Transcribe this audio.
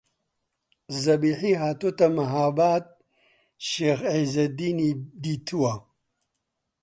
زەبیحی هاتۆتە مەهاباد شێخ عیززەدینی دیتووە